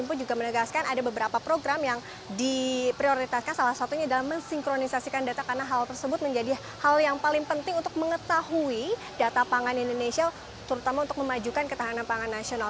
juga menegaskan ada beberapa program yang diprioritaskan salah satunya adalah mensinkronisasikan data karena hal tersebut menjadi hal yang paling penting untuk mengetahui data pangan indonesia terutama untuk memajukan ketahanan pangan nasional